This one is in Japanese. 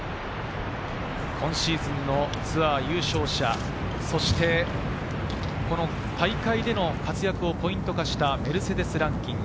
今シーズンのツアー優勝者、そして、大会での活躍をポイント化したメルセデスランキング。